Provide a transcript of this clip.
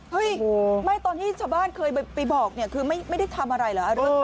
เฮ้ยไม่ตอนที่ชาวบ้านเคยไปบอกเนี่ยคือไม่ได้ทำอะไรเหรอ